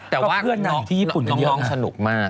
แต่ว่าน้องน้องสนุกมาก